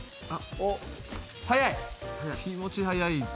はい。